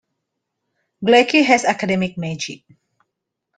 Glaki has academic magic.